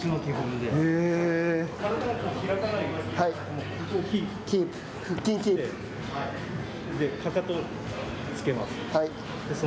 で、かかとを付けます。